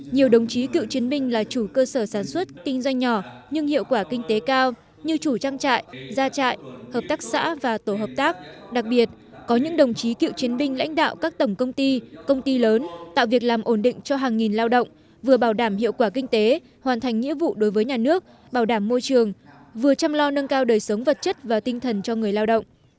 nhiều đồng chí cựu chiến binh là chủ cơ sở sản xuất kinh doanh nhỏ nhưng hiệu quả kinh tế cao như chủ trang trại gia trại hợp tác xã và tổ hợp tác đặc biệt có những đồng chí cựu chiến binh lãnh đạo các tổng công ty công ty lớn tạo việc làm ổn định cho hàng nghìn lao động vừa bảo đảm hiệu quả kinh tế hoàn thành nghĩa vụ đối với nhà nước bảo đảm môi trường vừa chăm lo nâng cao đời sống vật chất và tinh thần cho người lao động